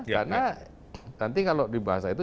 karena nanti kalau dibahas itu